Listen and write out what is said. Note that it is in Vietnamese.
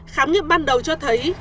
khám nghiệp ban đầu cho thấy